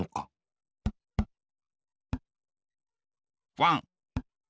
ワン。